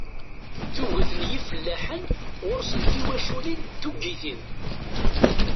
Tuget n yifellaḥen ɣur-sen tiwaculin tuggitin.